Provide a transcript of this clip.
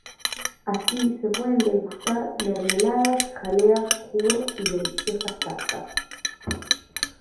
Allí se pueden degustar mermeladas, jaleas, jugos y deliciosas tartas.